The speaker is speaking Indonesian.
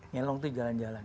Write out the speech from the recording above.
ngelong itu jalan jalan